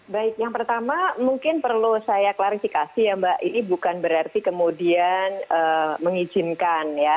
baik yang pertama mungkin perlu saya klarifikasi ya mbak ini bukan berarti kemudian mengizinkan ya